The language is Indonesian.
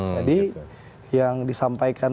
jadi yang disampaikan